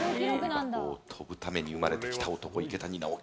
跳ぶために生まれてきた男、池谷直樹。